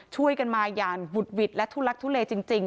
ช่วยกันมาอย่างบุดหวิดและทุลักทุเลจริง